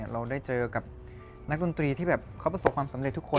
เราได้เจอกับนักดนตรีที่แบบเขาประสบความสำเร็จทุกคน